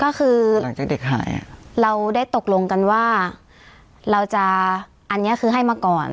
ก็คือหลังจากเด็กหายอ่ะเราได้ตกลงกันว่าเราจะอันนี้คือให้มาก่อน